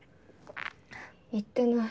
言ってない。